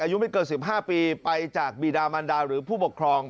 อายุไม่เกิน๑๕ปีไปจากบีดามันดาหรือผู้ปกครอง